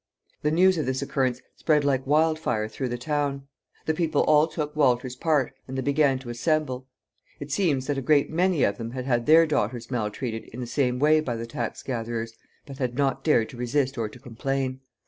The news of this occurrence spread like wildfire through the town. The people all took Walter's part, and they began to assemble. It seems that a great many of them had had their daughters maltreated in the same way by the tax gatherers, but had not dared to resist or to complain.